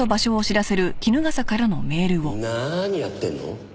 何やってんの？